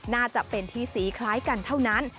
น่าจะเป็นที่สีคล้ายกันเท่านั้น